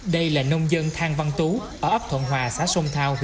đây là nông dân thang văn tú ở ấp thuận hòa xã sông thao